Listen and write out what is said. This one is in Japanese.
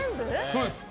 そうです。